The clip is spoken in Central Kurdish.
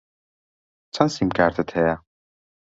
چەند سیمکارتت هەیە؟